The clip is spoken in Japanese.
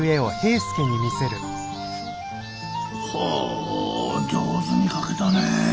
ほう上手に描けたね。